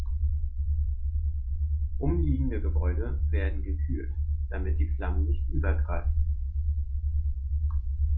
Umliegende Gebäude werden gekühlt, damit die Flammen nicht übergreifen.